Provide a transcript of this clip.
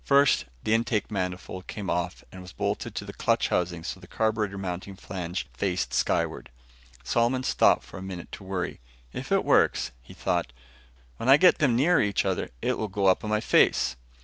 First, the intake manifold came off and was bolted to the clutch housing so the carburetor mounting flange faced skyward. Solomon stopped for a minute to worry. "If it works," he thought, "when I get them nearer each other, it'll go up in my face."